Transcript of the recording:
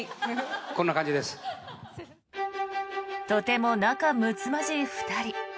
とても仲むつまじい２人。